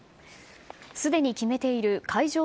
すでに決めている会場